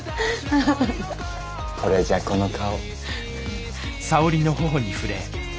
これじゃこの顔。